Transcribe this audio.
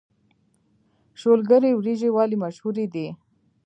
شولګرې وريجې ولې مشهورې دي؟